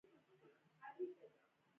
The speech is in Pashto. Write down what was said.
د ریحان تخم د څه لپاره وکاروم؟